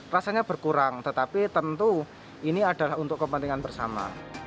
rasanya berkurang tetapi tentu ini adalah untuk kepentingan bersama